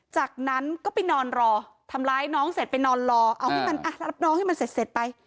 จากนั้นก็ไปนอนรอทำร้ายน้องเสร็จไปนอนรอเอาให้มันรับน้องให้มันเสร็จไป